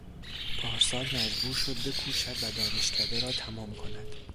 پارسال مجبور شد بکوشد و دانشکده را تمام کند.